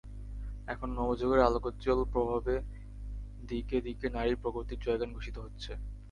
এখন নবযুগের আলোকোজ্জ্বল প্রভাবে দিকে দিকে নারী প্রগতির জয়গান ঘোষিত হচ্ছে।